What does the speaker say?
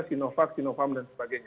sinovac sinovac dan sebagainya